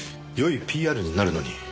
良いＰＲになるのに。